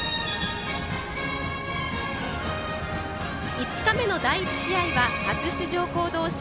５日目の第１試合は初出場校同士